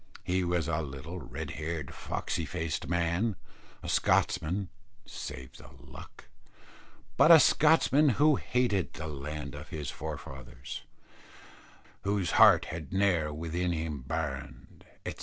He was a little red haired foxy faced man, a Scotchman (save the luck), but a Scotchman who hated the land of his forefathers, "Whose heart had ne'er within him burned," etc.